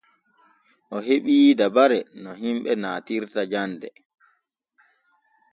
O heɓii dabare no himɓe naatirta jande.